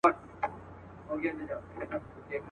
د نښتر وني جنډۍ سوې د قبرونو.